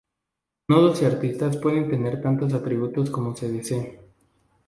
Nodos y aristas pueden tener tantos atributos como se desee.